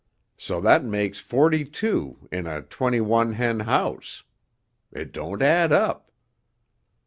So that makes forty two in a twenty one hen house. It don't add up."